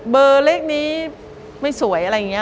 เบอร์เลขนี้ไม่สวยอะไรอย่างนี้